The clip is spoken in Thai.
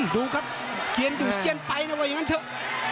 ดูครับเขียนดูเจียนไปนะว่าอย่างนั้นเถอะ